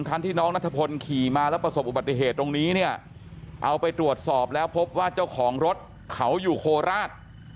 คันที่น้องนัทพลขี่มาแล้วประสบอุบัติเหตุตรงนี้เนี่ยเอาไปตรวจสอบแล้วพบว่าเจ้าของรถเขาอยู่โคราช